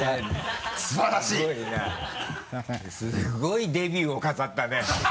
すごいデビューを飾ったね